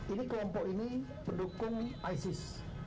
ini kelompok ini pendukung isis